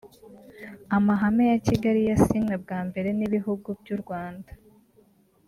Amahame ya Kigali yasinywe bwa mbere n’ibihugu by’u Rwanda